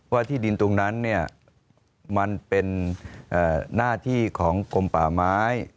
ที่ดินตรงนั้นมันเป็นหน้าที่ของกลมป่าไม้